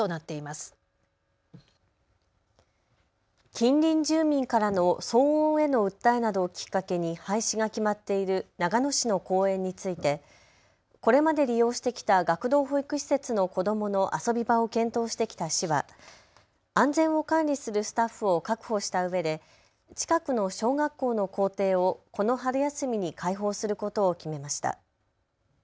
近隣住民からの騒音への訴えなどをきっかけに廃止が決まっている長野市の公園についてこれまで利用してきた学童保育施設の子どもの遊び場を検討してきた市は安全を管理するスタッフを確保したうえで近くの小学校の校庭をこの春休みに開放することを決めました。